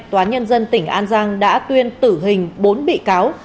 tòa nhân dân tỉnh an giang đã tuyên tử hình bốn bị cáo